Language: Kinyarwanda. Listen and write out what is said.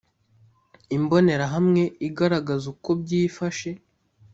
Imbonerahamwe igaragaza uko byifashe